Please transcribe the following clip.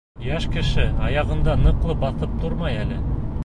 Йәш кеше аяғында ныҡлы баҫып тормай әле.